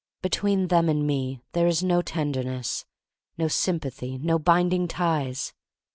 Between them and me there is no tenderness, no sympathy, no binding ties.